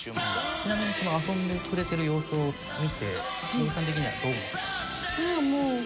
ちなみにその遊んでくれてる様子を見てもえさん的にはどう思ったんですか？